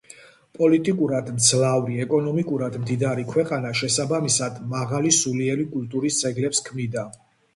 პოლიტიკურად მძლავრი, ეკონომიკურად მდიდარი ქვეყანა შესაბამისად მაღლი სულიერი კულტურის ძეგლებს ქმნიდა.